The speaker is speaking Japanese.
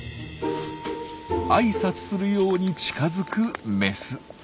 挨拶するように近づくメス。